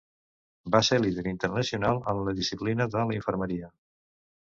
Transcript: Va ser líder internacional en la disciplina de la infermeria.